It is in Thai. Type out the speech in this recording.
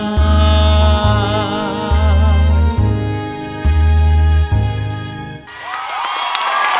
ขอบคุณครับ